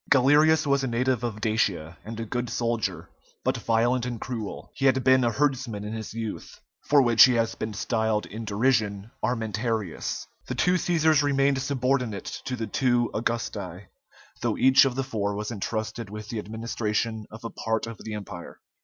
Galerius was a native of Dacia, and a good soldier, but violent and cruel; he had been a herdsman in his youth, for which he has been styled, in derision, Armentarius. The two Cæsars remained subordinate to the two Augusti, though each of the four was entrusted with the administration of a part of the Empire.